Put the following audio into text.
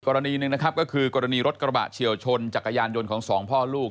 กรณีหนึ่งนะครับก็คือกรณีรถกระบะเฉียวชนจักรยานยนต์ของสองพ่อลูก